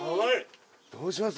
どうします？